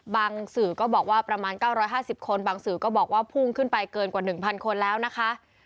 สื่อก็บอกว่าประมาณ๙๕๐คนบางสื่อก็บอกว่าพุ่งขึ้นไปเกินกว่า๑๐๐คนแล้วนะคะ